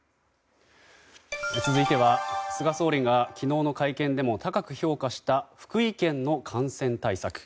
続いては菅総理が昨日の会見でも高く評価した福井県の感染対策。